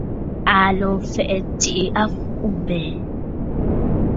Aa lǒ fɛ̀ʼ̀ɛ̀ tsiʼi a mfuʼubɛ̀ɛ̀.